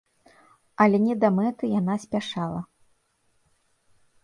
Але не да мэты яна спяшала.